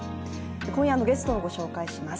今夜のゲストをご紹介します。